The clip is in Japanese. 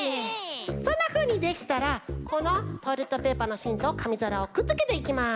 そんなふうにできたらこのトイレットペーパーのしんとかみざらをくっつけていきます。